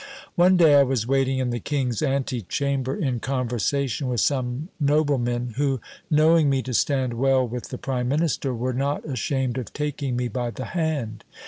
One day I was waiting in the king's ante chamber, in conversation with some noblemen, who, knowing me to stand well with the prime minister, were not ashamed of taking me by the hand.